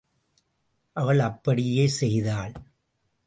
அவள் அப்படியே செய்தாள்.